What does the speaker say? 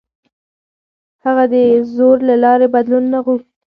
هغه د زور له لارې بدلون نه غوښت.